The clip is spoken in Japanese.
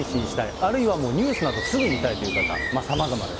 あるいはニュースなど、すぐ見たいという方、さまざまです。